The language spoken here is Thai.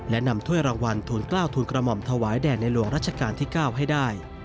และนำถ้วยรางวัลทูลกล้าวทูลกระหม่อมถวายแด่ในหลวงรัชกาลที่๙ให้ได้